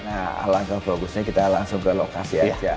nah alangkah bagusnya kita langsung ke lokasi aja